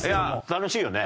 楽しいよね。